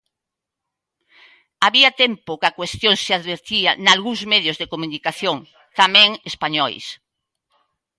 Había tempo que a cuestión se advertía nalgúns medios de comunicación, tamén españois.